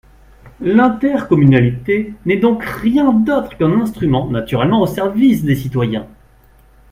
L’intercommunalité n’est donc rien d’autre qu’un instrument, naturellement au service des citoyens.